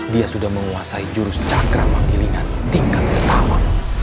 dia sudah menguasai jurus cakra manggilingan tingkat pertama